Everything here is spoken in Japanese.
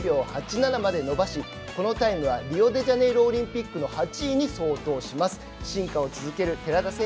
その後、１２秒８７まで伸ばしこのタイムはリオデジャネイロオリンピックの８位に相当します。